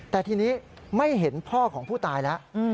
แต่ทีนี้ไม่เห็นพ่อของผู้ตายแล้ว